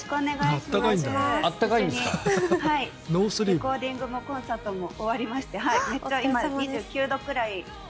レコーディングもコンサートも終わりまして今、２９度くらい。